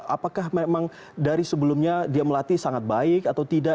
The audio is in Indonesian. apakah memang dari sebelumnya dia melatih sangat baik atau tidak